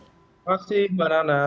terima kasih pak narana